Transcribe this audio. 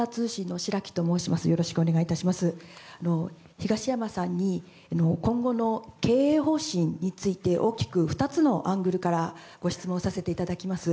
東山さんに今後の経営方針について大きく２つのアングルからご質問させていただきます。